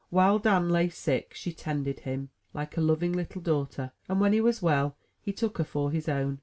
While Dan lay sick, she tended him, like a loving little daughter; and, when he was well, he took her for his own.